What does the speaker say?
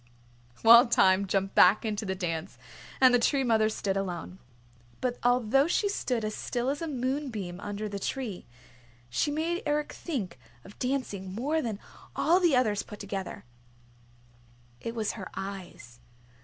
Wild Thyme jumped back into the dance and the Tree Mother stood alone. But although she stood as still as a moonbeam under the tree, she made Eric think of dancing more than all the others put together. It was her eyes.